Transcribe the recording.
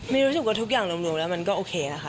รู้สึกว่าทุกอย่างรวมแล้วมันก็โอเคค่ะ